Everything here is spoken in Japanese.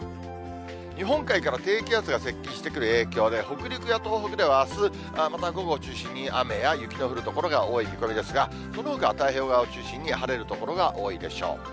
日本海から低気圧が接近してくる影響で、北陸や東北ではあす、また午後を中心に雨や雪の降る所が多い見込みですが、そのほかは太平洋側を中心に晴れる所が多いでしょう。